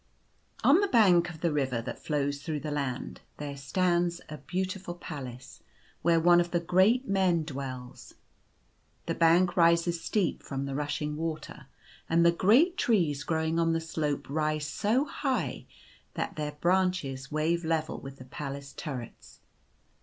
^N the bank of the river tfiat flows through j the Land there stands a beautiful palace, where one of the great men dwells. The bank rises steep from the rushing water ; and the great trees growing on the slope rise so high that their* branches wave level with the palace turrets.